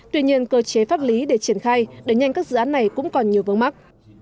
tuy nhiên cơ chế pháp lý để triển khai đẩy nhanh các dự án này cũng còn nhiều vướng mắt